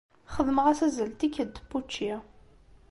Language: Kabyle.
Xedmeɣ-as azal n tikkelt n wučči.